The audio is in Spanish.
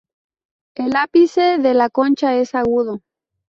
El ápice de la concha es agudo.